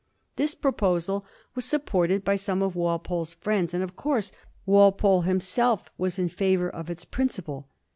This proposal was supported by some of Walpole's friends; and, of course, Walpole himself was in favor of its prin ^ ciple.